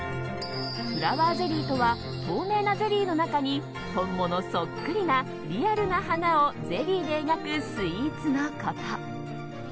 フラワーゼリーとは透明なゼリーの中に本物そっくりなリアルな花をゼリーで描くスイーツのこと。